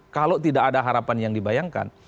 kalau tidak ada harapan yang dibayangkan